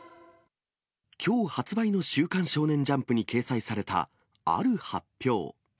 きょう発売の週刊少年ジャンプに掲載されたある発表。